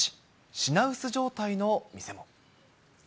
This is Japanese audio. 品薄状態の店も。